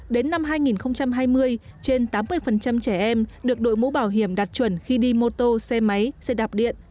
đến năm hai nghìn hai mươi trên tám mươi trẻ em được đội mũ bảo hiểm đạt chuẩn khi đi mô tô xe máy xe đạp điện